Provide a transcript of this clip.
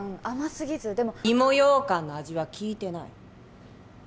甘すぎずでも芋ようかんの味は聞いてない